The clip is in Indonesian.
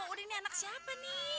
udah ini anak siapa nih